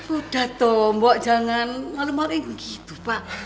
udah toh mbak jangan malem malem gitu pak